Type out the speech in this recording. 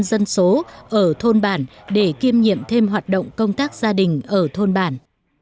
dân số ở thôn bản để kiêm nhiệm thêm hoạt động công tác gia đình ở thôn bản